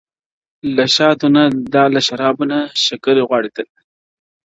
له شاتو نه، دا له شرابو نه شکَري غواړي~